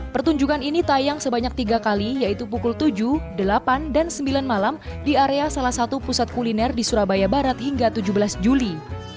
pertunjukan ini tayang sebanyak tiga kali yaitu pukul tujuh delapan dan sembilan malam di area salah satu pusat kuliner di surabaya barat hingga tujuh belas juli